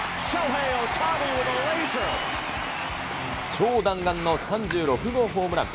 超弾丸の３６号ホームラン。